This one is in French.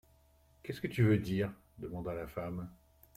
Qu'est-ce que tu veux dire ? demanda la femme.